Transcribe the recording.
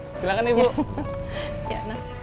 air karena ingk hazmat juga iya